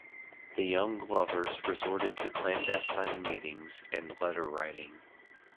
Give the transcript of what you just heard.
The young lovers resorted to clandestine meetings and letter-writing.